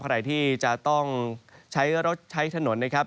ใครที่จะต้องใช้รถใช้ถนนนะครับ